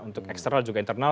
untuk eksternal juga internal